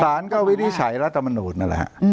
สารก็วินิจฉัยรัฐมนูลนั่นแหละฮะ